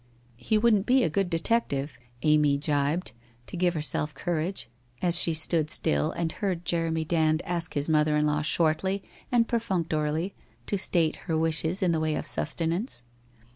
* He wouldn't be a good detective !' Amy giberd, to give herself courage, as she stood still and heard Jeremy Dand ask his mother in law shortly and perfunctorily to state her wishes in the way of sustenance.